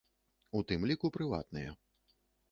У тым ліку прыватныя.